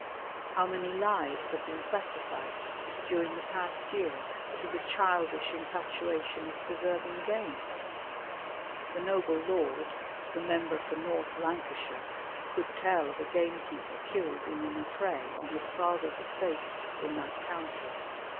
How many lives have been sacrificed during the past year to the childish infatuation of preserving game? The noble lord, the member for North Lancashire, could tell of a gamekeeper killed in an affray on his father's estate in that county.